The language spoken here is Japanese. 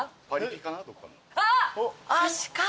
あっ！